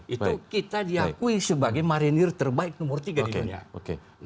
itu kita diakui sebagai marinir terbaik nomor tiga di dunia